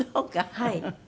はい。